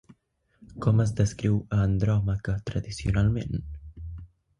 Com es descriu a Andròmaca tradicionalment?